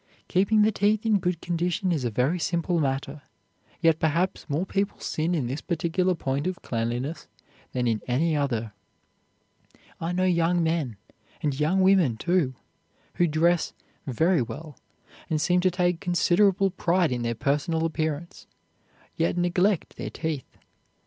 Keeping the teeth in good condition is a very simple matter, yet perhaps more people sin in this particular point of cleanliness than in any other. I know young men, and young women, too, who dress very well and seem to take considerable pride in their personal appearance, yet neglect their teeth.